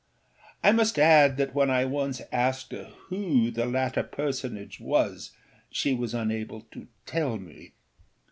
I must add that when I once asked her who the latter personage was she was unable to tell me.